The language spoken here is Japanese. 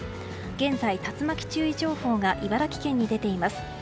現在、竜巻注意情報が茨城県に出ています。